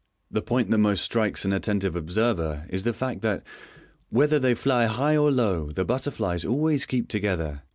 The point that most strikes an attentive observer is the fact that, whether they fly high or low, the butterflies always keep together.